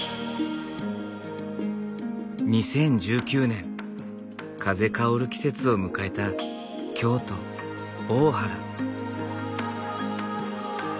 ２０１９年風薫る季節を迎えた京都・大原。